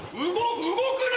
動くな！